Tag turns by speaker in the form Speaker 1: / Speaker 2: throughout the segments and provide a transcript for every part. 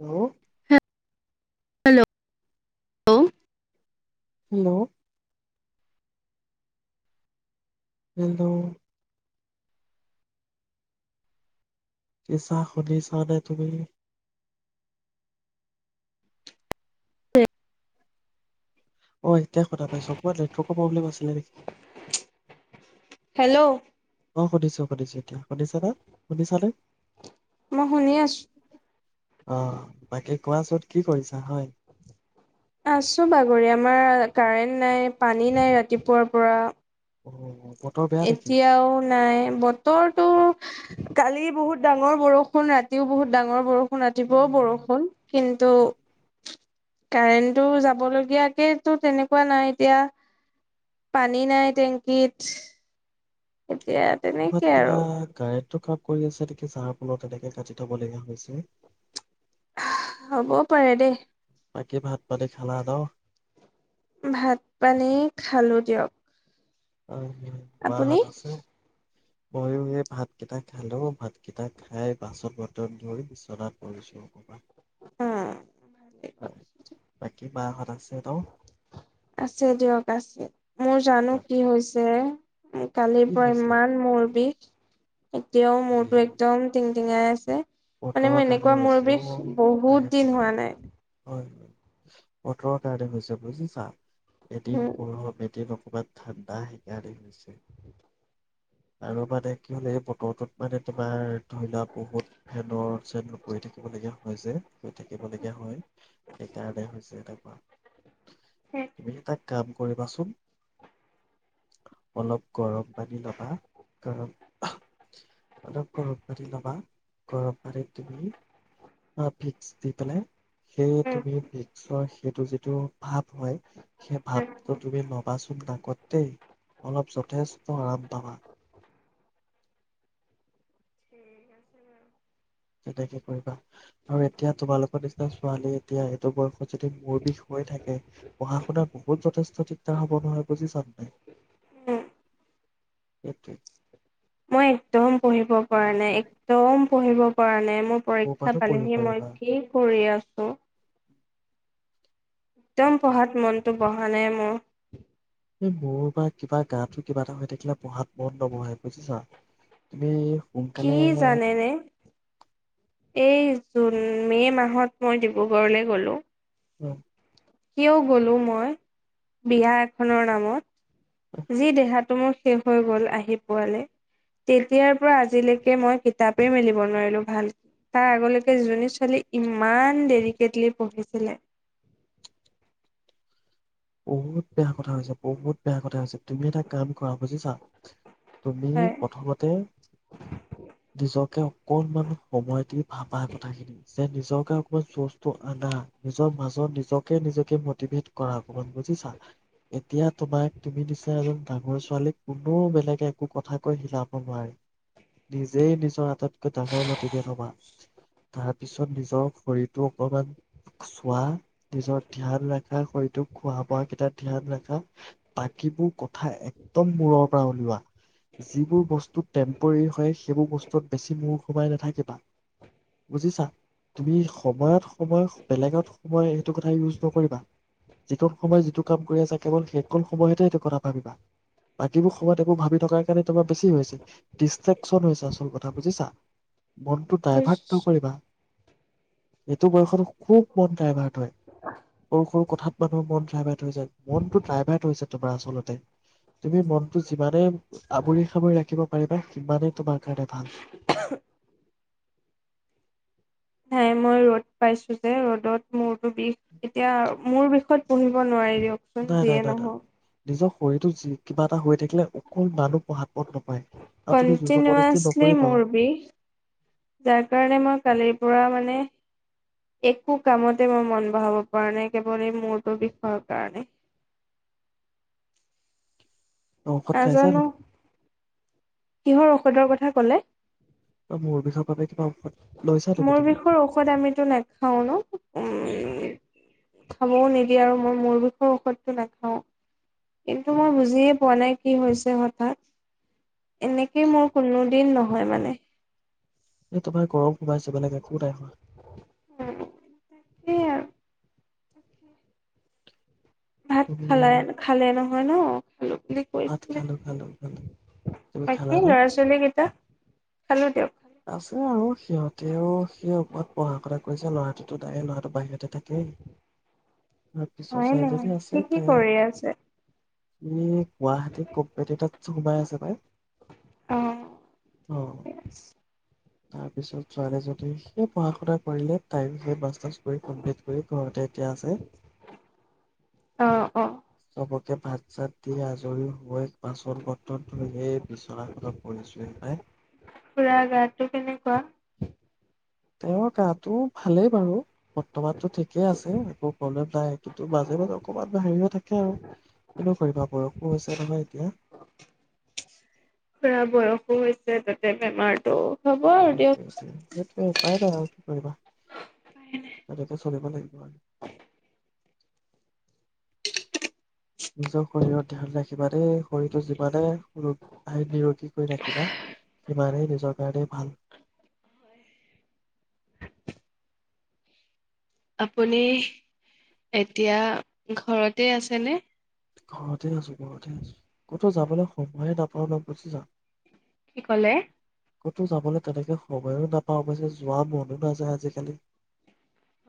Speaker 1: হু
Speaker 2: hello
Speaker 1: hello hello কি চা শুধিছা নে তুমি
Speaker 2: উ
Speaker 1: অ এতিয়া সদ পাইছো অবাত নেটৱৰ্কৰ প্ৰব্লেম আছিলে নেকি
Speaker 2: হেল্ল'
Speaker 1: সুধিছো সুধিছো এতিয়া শুনিছা না শুধনিছা নে
Speaker 2: মই শুনি আছো
Speaker 1: আহ বাকী কোৱাচোন কি কৰিছা হয়
Speaker 2: আছো বাগৰি আমাৰ কাৰেণ্ট নাই পানী নাই ৰাতিপুৱাৰ পৰা
Speaker 1: উ
Speaker 2: এতিয়াও নাই বতৰটো কালি বহুত ডাঙৰ বৰষুণ ৰাতিও বহুত ডাঙৰ বৰষুণ সুণতিবও বৰষুণ কিন্তু কাৰেণ্টো যাব লগীয়াকে তো তেনেকুৱা নাই এতিয়া পানী নাই টেংকিত এতিয়া তেনেকে আৰু
Speaker 1: কাপ কৰি আছে তেকি চাৰ ফলত এনেকে কাটি থব লগগীয়া হৈছে
Speaker 2: হ'বও পাৰে দেই
Speaker 1: বাকী ভাত পানী খালা ন
Speaker 2: ভাত পানী খালো দিয়ক
Speaker 1: আৰু
Speaker 2: আপুনি
Speaker 1: বাঁহত আছে ময়ো এই ভাতকেইটা খালো ভাতকেইটা খাই বাচন বতন ধৰি বিচনাত পৰিছো অবাত
Speaker 2: উম ভালে।
Speaker 1: তাক বায়সত আছে
Speaker 2: আছে দিয়ক আছে মোৰ জানো
Speaker 1: ন?
Speaker 2: কি হৈছে চ [inaudible] কালিৰ
Speaker 1: কি
Speaker 2: পৰা
Speaker 1: হৈছে?
Speaker 2: ইমান মূৰ বিষ এতিয়াও মৰটো একদম টিঙাই আছে মানে
Speaker 1: পথৰ
Speaker 2: মোৰ
Speaker 1: তালে
Speaker 2: এনেকুৱা মূৰ
Speaker 1: আছে অ
Speaker 2: বিষ বহুত
Speaker 1: আহে
Speaker 2: দিন
Speaker 1: প হয়
Speaker 2: হোৱা নাই
Speaker 1: হয় বতৰৰ কাৰডে হৈছে বুজিছা এদিন
Speaker 2: উম
Speaker 1: গৌৰৱ এদিন অবমান ঠাণ্ডা সেইকাৰণে হৈছে আৰু মানে কি হলে বতৰটোত মানে তোমাৰ ধৰিলা বহুত ভেনৰ চেন কৰি থাকিব লগীয়া হয় যে কৰি থাকিবলগীয়া হয় সেইকাৰণে হৈছে এনেকোৱা। তুমি তাক কাম কৰিবাচোন অলপ গৰম পানী ল'বা কাৰ ম [unintelligible] পতি ল'বা। গৰম পানীত তুমি ভিকস দি পেলাই সেই তুমি ভিকসৰ সেইটো যিটো ভাপ সেই
Speaker 2: উম
Speaker 1: ভাপটো তুমি ন ল'বাচোন নাকদেই অলপ যথেষ্ট আৰাম পাবা।
Speaker 2: ঠিক আছে বাৰু।
Speaker 1: তেনেকে কৰিবা আৰু এতিয়া তোমালোকৰ নিচিনা ছোৱালী এতিয়া এইটো বয়সত যদি মোৰ বিষ হৈ থাকে পঢ়া শুনাত বহুত যথেষ্ট দিগদাৰ হব নহয় বুজি চানে নাই?
Speaker 2: উম।
Speaker 1: স [unintelligible]
Speaker 2: মই একদম পঢ়িব পৰা নাই । একদম পঢ়িব পৰা নাই। মোৰ
Speaker 1: ক'ৰ পৰানো
Speaker 2: পৰীক্ষা
Speaker 1: পঢ়িব
Speaker 2: পালেহি
Speaker 1: পাৰিবা
Speaker 2: মই কি কৰি আছো? একদম
Speaker 1: সেইটোৱে।
Speaker 2: পঢ়াত মনটো বহা নাই মোৰ।
Speaker 1: এই মোৰ বা কিবা গাটো কিবা এটা হৈ থাকিলে পঢ়াত মন নবহে বুজিছা । তুমি
Speaker 2: কি
Speaker 1: সোনকালে
Speaker 2: জানেনে এই জুন, মে' মাহত মই ডিব্ৰুগড়লৈ গ'লোঁ
Speaker 1: উম।
Speaker 2: কিয় গ'লো মই বিয়া এখনৰ নামত যি দেহাত মোৰ শেষ হৈ গল আহি পোৱালে ।তেতিয়াৰ পৰা আজিলৈকে মই কিতাপেই মেলিব নোৱাৰিলো ভালকে। তাৰ আগলৈকে যিজনী ছোৱালী ইমান ডৰিকেটলি পঢ়িছিলে।
Speaker 1: বহুত বেয়া কথা হৈছে, বহুত বেয়া কথা হৈছে তুমি এটা কাম কৰা বুজিছা। তুমি
Speaker 2: হয়।
Speaker 1: প্ৰথমতে নিজকে অকণমান সময় দি ভাবা কথাখিনি যে নিজকে অকনমান চুচটো আনা নিজৰ মাজত নিজকে নিজকে মটিভেট কৰা। বুজিছা এতিয়া তোমাক তুমি নিচি এজন ডাঙৰ ছোৱালীক কোনো বেলেগে একো কথা কৈ হিলাব নোৱাৰে, নিজেই নিজৰ আটাইতকৈ ডাঙৰ মটিভেট হবা তাৰপিছত নিজৰ শৰীৰটো অকমান চোৱা নিজৰ ধ্যান ৰখা শৰীৰটোক । খোৱা বোৱ কেইটা ধ্যান ৰাখা তাকিবোৰ কথা একদম মূৰৰ পৰা উলিওৱা যিবোৰ বস্তু টেম্পৰেৰী হয় সেইবোৰ বস্তুত বেছি মূৰ সোমাই নাথাকিবা বুজিছা, তুমি সময়ত সময় বেলেগত সময় সেইটো কথা ইউজ নকৰিবা। যিকোন সময়ত যিটো কাম কৰি আছো কেৱল সেইখনণ সময়তে এইটো কথা ভাবিবা, বাকীবোৰ সময়ত এইোৰ ভাবি থকাৰ কাৰণে তোমাৰ বেছি হৈছিল। ডি্ৰেকচন হৈছে আচল কথা কথা বুজিছা। মনটো ডাইভাৰ্ট নকৰিবা। এইটো বয়সত খুব মন যায়, ভাৰ তয় সৰু সৰু কথাত। মানুহৰ মন ড্ৰাইভাৰত হৈছে, মনতো ড্ৰাইভাৰত হৈছে তোমাৰ আচলতে। তুমি মনটো যিমানেই আৱৰি সামৰি ৰাখিব পাৰিবা, সিমানেই তোমাৰ কাৰণে ভাল।
Speaker 2: নাই মই ৰ'দ পাইছো যে, ৰ'দত মোৰতো বিষ এতিয়া মোৰ বিষত পঢ়িব নোৱাৰিল
Speaker 1: নাই নাই নাই নাই নিজক শৰীৰটো যি কিবা এটা হৈ থাকিলে অকন মানু পঢ়াত মন নবহে, আৰু তুমি জোৰ জবৰদস্তি
Speaker 2: কন্টিনিৱাচলি
Speaker 1: নকৰি
Speaker 2: মোৰ
Speaker 1: বাও
Speaker 2: বিষ যাৰ কাৰণে মই কালিৰ পৰা মানে একো কামতে মই মন বহাব পৰা নাই, কেৱল এই মূৰটো বিষয়ৰ কাৰণে।
Speaker 1: তুমি ঔষদ খাইছে
Speaker 2: নাজানো
Speaker 1: নাই?
Speaker 2: কিহৰ ঔষধৰ কথা কলে?
Speaker 1: বা মূৰ বিষৰ বাবে কিবা ঔষধ লৈছা নেকি
Speaker 2: মোৰ
Speaker 1: তুমি
Speaker 2: বিষৰ ঔষধ আমিতো নাখাও ন, উম! খাবও নিদিয়ে, আৰু মই মোৰ বিষৰ ঔষধটো নাখাও। কিন্তু মই বুজিয়ে পোৱা নাই। কি হৈছে হঠাৎ? এনেকেই মোৰ কোনো দিন নহয় মানে।
Speaker 1: এই তোমাৰ গৰম সোমাইছে, বেলেগ একো নাই হোৱা।
Speaker 2: তাকে [unintelligible] ভাত
Speaker 1: তুমি
Speaker 2: খালা [unintelligible] খালে ন'? হয় ন'? খালো বুলি
Speaker 1: ভাত
Speaker 2: কৈছিলে
Speaker 1: খালোঁ-খালোঁ-খালোঁ। তুমি
Speaker 2: বাকী
Speaker 1: খালা ন'?
Speaker 2: ল'ৰা ছোৱালী কেইটা খালো দিয়ক
Speaker 1: আছে আৰু সিহঁতেও, সি [unintelligible] পঢ়া-শুনা কৰিছে! ল'ৰাটোতো, তাই ল'ৰাটো বাহিৰতে থাকেই। তাৰ পিছৰ
Speaker 2: হয়
Speaker 1: চাইডে
Speaker 2: নহয়
Speaker 1: যে
Speaker 2: সি
Speaker 1: আছে
Speaker 2: কি
Speaker 1: তাইয়ে
Speaker 2: কৰি আছে
Speaker 1: । উম। গুৱাহাটী কোম্পানী এটাতটো সোমাই আছে [unintelligible]
Speaker 2: অ
Speaker 1: অ' । তাৰ পিছত ছোৱালীজনী, সেই পঢ়া-শুনা কৰিলে। তাইও সেই মাষ্টাৰ্ছ কৰি কমপ্লিট কৰি, ঘৰতে এতিয়া আছে
Speaker 2: অ অ
Speaker 1: [unintelligible] এতিয়া ভাত চাত দি আজৰি হৈ, বাচন-বৰ্তন ধুই এই বিচনাখনত পৰিছোঁহি পায়।
Speaker 2: টো কেনেকুৱা?
Speaker 1: তেওঁৰ গাটো ভালেই বাৰু। বৰ্তমানতো ঠিকেই আছে প্ৰব্লেম তাইৰ, কিন্তু মাজে, মাজে অকনমান হেৰি হৈ থাকে আৰু। কিনো কৰিবা বয়সো হৈছে নহয় এতিয়া।
Speaker 2: [unintelligible] বয়সো হৈছে, তাতে বেমাৰতটো
Speaker 1: সেইটোৱে, সেইটোৱেই। নাই, নাই আৰু কি কৰিবা? তেনেকে চলিব লাগিব আৰু। নিজৰ শৰীৰত তেহ'লে সিমানেই শৰীৰটো, যিমানে [unintelligible] নিৰোগী কৰি ৰাখিবা, সিমানেই নি সিমানেই ভাল।
Speaker 2: আপুনি, এতিয়া ঘৰতে আছেনে?
Speaker 1: ঘৰতে আছোঁ, ঘৰতে আছোঁ। ক'তো যাবলৈ সময়ে নাপাওঁ ন! বুজিছা।
Speaker 2: কি ক'লে?
Speaker 1: ক'তো যাবলৈ তেনেকে সময়ো নাপাওঁ, অৱশ্যে যোৱা মনো নাযায় আজিকালি।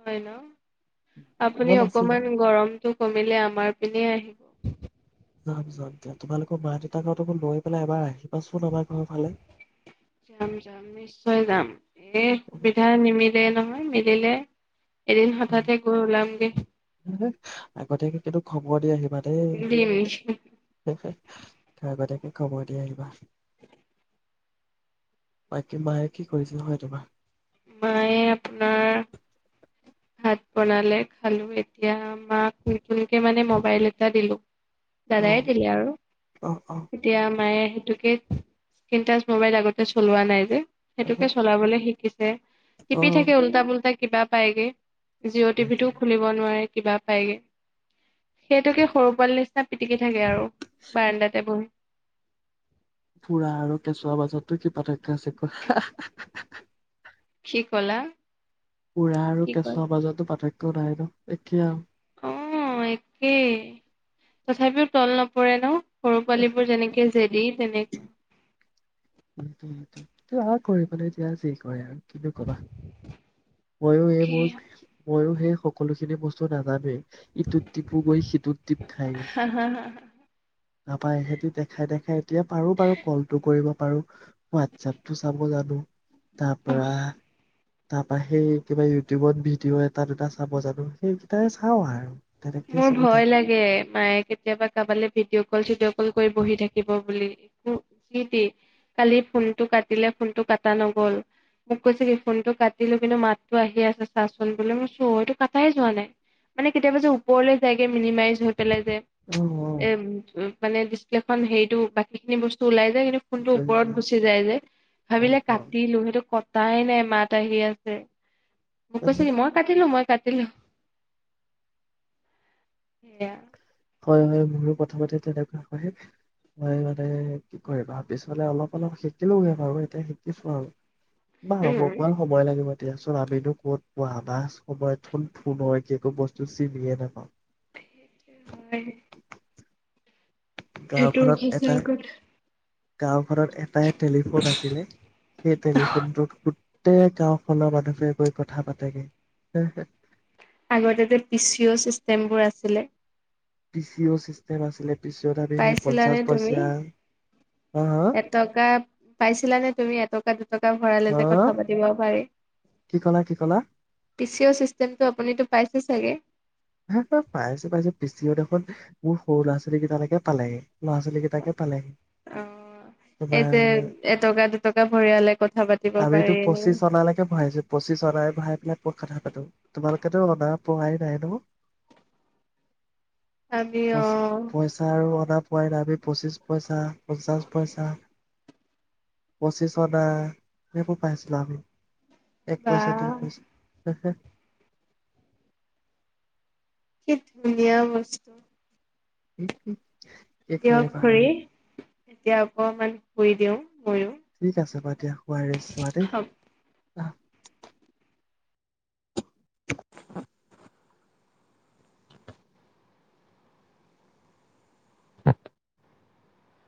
Speaker 2: হয় ন! আপুনি
Speaker 1: মন আছিলে
Speaker 2: অকমান গৰমতটো কমিলে আমাৰ পিনে আহি
Speaker 1: যাম, যাম দিয়া। তোমালোকৰ মা দেউতাহঁতকো লৈ পেলাই এবাৰ আহি
Speaker 2: যাম, যাম, নিশ্চয় যাম। এই সুবিধা নিমিলে নহয়। নি দিলে।
Speaker 1: আগতিয়াকে কিন্তু খবৰ দি আহিবা দেই।
Speaker 2: দিম
Speaker 1: [unintelligible] আগতিয়াকে খবৰ দি আহিবা। বাকি মায়ে কি কৰিছিল হয় তোমাৰ?
Speaker 2: মায়ে আপোনাৰ ভাত বনালে, খালো। এতিয়া মাক নতুনকে মানে মবাইল এটা দিলো দাদাই
Speaker 1: অ',
Speaker 2: দিলে আৰু,
Speaker 1: অ',
Speaker 2: তেতিয়া মায়ে আহি [unintelligible] স্ক্ৰীনটাচ মোবাইল আগতে চলোৱা নাই যে।
Speaker 1: অ',
Speaker 2: সেইটোকে চলাবলৈ শিকিছে, টিপি থাকে
Speaker 1: অ'।
Speaker 2: উল্টা পুল্টা কিবা পায়গে। জিঅ' টিভিটোও খুলিব নোৱাৰি। কিবা পায়গে, সেইটোকে সৰু পোৱালি নিচিনা পিটিকি থাকে আৰু বাৰাণ্ডাতে বহি।
Speaker 1: ফুৰা আৰু কেঁচুৱা মাজতনো কি পাৰ্থক্য আছে কোৱা। [unintelligible]
Speaker 2: কি কলা?
Speaker 1: উৰা আৰু
Speaker 2: কি কয়
Speaker 1: কেঁচুৱা মাজতো পাৰ্থক্য [unintelligible] একে আৰু।
Speaker 2: অ', একেই। তথাপিও তল নপৰে ন'? সৰু পোৱালিবোৰ যেনেকে জেদি, তেনেকুৱা
Speaker 1: [unintelligible] কৰিবলৈ দিয়া যি কৰে আৰু। কিনো ক'বা ময়ো এ মোৰ ময়ো সেই সকলোখিনি বস্তু নাজানোৱেই। ইটোত দীপো গৈ সিটোত দীপ খায়গৈ।
Speaker 2: হা হা হা
Speaker 1: তাপাই সেতি দেখাই দেখাই এতিয়া পাৰো বাৰু কলটো কৰিব পাৰো হোৱাটছএপটো চাব জানো। তাৰ পৰা তাৰপা সেই কিবা ইউটিউবত ভিডিঅ' এটা দুটা চাব জানো সেইকেইটাই চাওঁ আৰু। তেনেকে
Speaker 2: মোৰ
Speaker 1: চলি
Speaker 2: ভয়
Speaker 1: থাকে
Speaker 2: লাগে মায়ে কেতিয়াবা কাৰবালৈ ভিডিঅ' কল চিডি অ', কৰি বহি থাকিব বুলি সিট কালি ফোনটো কাটিলে ফোনটো কাটা নগ'ল মোক কৈছে কি ফোনটো কাটিলো কিন্তু মাতটো আহি আছে চাচোন বোলো মোৰ চতটো কাটাই যোৱা নাই মানে কেতিয়াবা যে কলে যাইগে মিনিমাইজ হৈ পেলাই যে,
Speaker 1: অ অ
Speaker 2: [unintelligible] মানে ডিছপ্লেখন হেৰিটো বাকী খিনি বস্তু ওলাই যায় কিন্তু, ফোনটো ওপৰত গুচি যায় যে
Speaker 1: অ
Speaker 2: ভাবিলে কাটিলো সেইটো কটাই নাই মাত, তাই হেই আছে। মোক
Speaker 1: অ
Speaker 2: কৈছে কি মই কাটিলো মই, কাটি ল। এয়া
Speaker 1: হয়- হয় মোৰো প্ৰথমতে তেনেকুৱা হয় মই মানে কি কৰিবা পিছলে অলপ অলপ শিকিলোগে বাৰু এতিয়া শিকিছো আৰু। বাহ হব
Speaker 2: উম।
Speaker 1: কোৱা সময় লাগিব, তেতিয়া চোৱা আমিনো ক'ত পোৱা আমাৰ সময়ত ফোন- ফোনৰ একো -একো বস্তু চিনিয়ে নাপাওঁ।
Speaker 2: [inaudible] সেই নালাগে। সেইটো হিচে কত?
Speaker 1: গাঁও ঘৰত এ, এটাই টেলিফোন আছিলে সেই টেলিফোনটোতু, - গোটেই গাওখনৰ মানুহবোৰে গৈ কথা পাতেগে।
Speaker 2: আগতে যে পিচি'অ ছিষ্টেমবোৰ আছিলে।
Speaker 1: পি- চি -অ চিষ্টেম আছিলে ।
Speaker 2: পাইছিলানে তুমি
Speaker 1: হা হা
Speaker 2: এটকা পাইছিলানে তুমি এটকা -দুটকা ভৰালে
Speaker 1: হা
Speaker 2: যে কথা পাতিব পাৰি
Speaker 1: কি ক'লা কি ক'লা
Speaker 2: পি- চি -অ চিষ্টেমটো আপুনিতটো পাইছে চাগে?
Speaker 1: হাহহা পাইছো- পাইছো পি- চি - অ দেখোন মোৰ সৰু ল'ৰা- ছোৱালী কেইটালৈকে পালেগে। ল'ৰা- ছোৱালী কেইটাকে পালেহি
Speaker 2: অ' এই যে
Speaker 1: তোমাৰ
Speaker 2: এটকা দুটকা ভৰিয়ালে কথা পাতিব পাৰি
Speaker 1: আমিতো
Speaker 2: এনেই।
Speaker 1: পঁচিছ অনালৈকে ভৰাইছো। পঁচিছ অনাই ভৰাই পেলাই কত কথা পাতো তোমালোকেতো অনা, পহাই নাই ন',?
Speaker 2: আমি
Speaker 1: পচি
Speaker 2: অ'
Speaker 1: -পইচা আৰু অলপ, পহাই যে আমি পঁচিছ পইচা, পঞ্চাশ পইচা, পঁচিছ অনা সেইবোৰ পাইছিলোঁ আমি। এক
Speaker 2: বা
Speaker 1: পইচা- ডেৰ পইচা। [unintelligible]
Speaker 2: কি ধুনীয়া বস্তু।
Speaker 1: এক- এক
Speaker 2: দিয়ক খুৰী। এতিয়া অকমান শুই দিওঁ। ময়ো।
Speaker 1: ঠিক আছে, বাৰু দিয়া শুৱা ৰেষ্ট লোৱা দেই।
Speaker 2: হ'ব।
Speaker 1: আহ, [inaudible]